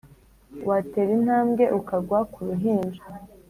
Watera intambwe ukagwa ku ruhinja